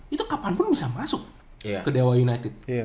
itu kapanpun bisa masuk ke dewa united